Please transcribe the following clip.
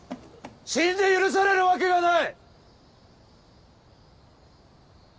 死んで許されるわけがない！